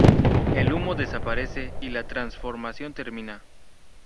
El humo desaparece y la transformación termina.